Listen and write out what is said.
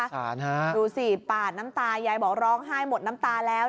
ดูสิปาดน้ำตายายบอกร้องไห้หมดน้ำตาแล้ว